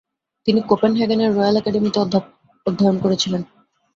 তিনি কোপেনহেগেনের রয়াল অ্যাকাডেমিতে অধ্যয়ন করছিলেন।